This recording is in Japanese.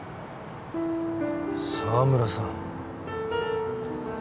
澤村さん。